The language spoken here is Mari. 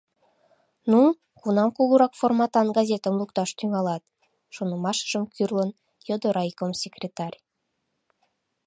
— Ну, кунам кугурак форматан газетым лукташ тӱҥалат? — шонымашыжым кӱрлын, йодо райком секретарь.